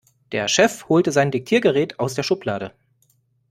Der Chef holte sein Diktiergerät aus der Schublade.